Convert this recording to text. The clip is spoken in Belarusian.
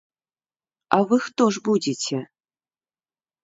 А вы хто ж будзеце?